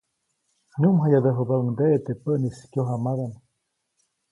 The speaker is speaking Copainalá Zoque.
Nyuʼmjayadäjubäʼuŋdeʼe teʼ päʼnis kyojamadaʼm.